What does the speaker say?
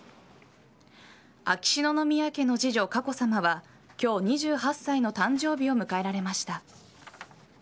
秋篠宮家の次女・佳子さまは今日２８歳の誕生日を迎えられました。